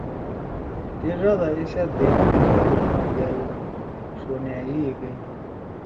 تے ڙادا اے سأت دیرا می دھرُو آں دأل ݜو نھأژی گئی۔